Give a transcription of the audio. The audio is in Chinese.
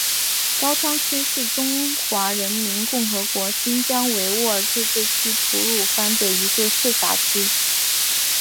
高昌区是中华人民共和国新疆维吾尔自治区吐鲁番市的一个市辖区。